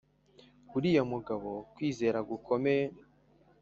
uriya mugabo kwizera gukomeye